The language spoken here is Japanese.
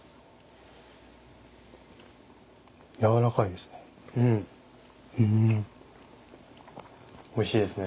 柔らかいですね。